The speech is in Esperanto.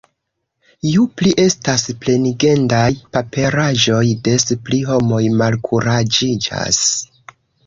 Ju pli estas plenigendaj paperaĵoj, des pli homoj malkuraĝiĝas.